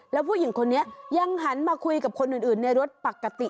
แล้วผู้หญิงคนนี้ยังหันมาคุยกับคนอื่นในรถปกติ